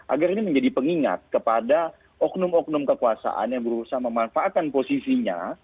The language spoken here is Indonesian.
agar ini menjadi pengingat kepada oknum oknum kekuasaan yang berusaha memanfaatkan posisinya